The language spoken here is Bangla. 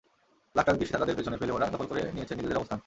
লাখ লাখ দৃষ্টি থাকাদের পেছনে ফেলে ওরা করে নিয়েছে নিজের অবস্থান।